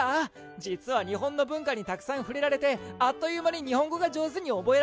実は日本の文化にたくさん触れられてあっという間に日本語が上手に覚えられる場所がありまして。